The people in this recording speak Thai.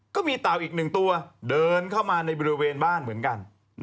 เต่าอีกหนึ่งตัวเดินเข้ามาในบริเวณบ้านเหมือนกัน